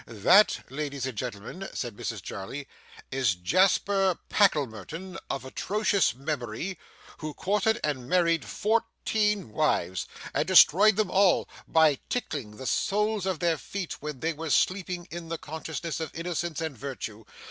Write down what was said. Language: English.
'That, ladies and gentlemen,' said Mrs Jarley, 'is Jasper Packlemerton of atrocious memory, who courted and married fourteen wives, and destroyed them all, by tickling the soles of their feet when they were sleeping in the consciousness of innocence and virtue.